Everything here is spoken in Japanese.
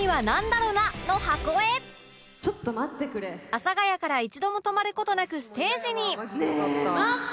阿佐ヶ谷から一度も止まる事なくステージにねえ待って！